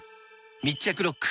密着ロック！